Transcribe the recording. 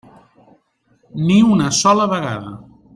Ni una sola vegada.